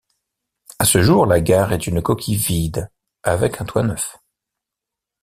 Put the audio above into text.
À ce jour la gare est une coquille vide avec un toit neuf.